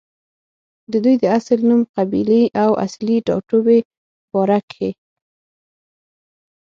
ددوي د اصل نوم، قبيلې او اصلي ټاټوبې باره کښې